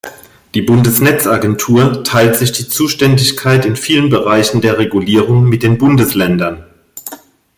Die Bundesnetzagentur teilt sich die Zuständigkeit in vielen Bereichen der Regulierung mit den Bundesländern.